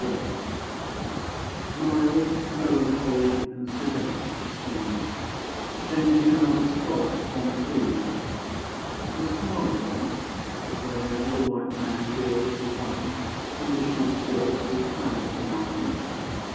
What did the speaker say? _ Mild, melancholy, and sedate, he stands, Tending another's flock upon the fields, His fathers' once, where now the white man builds His home, and issues forth his proud commands.